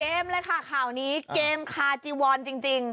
เลยค่ะข่าวนี้เกมคาจีวอนจริง